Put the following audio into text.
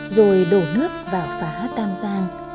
rồi đổ nước vào phá tam giang